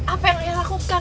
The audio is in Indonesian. apa yang ayah lakukan